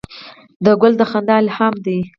ګل د خندا الهام دی.